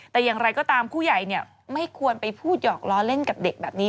แต่อย่างไรก็ตามผู้ใหญ่ไม่ควรไปพูดหยอกล้อเล่นกับเด็กแบบนี้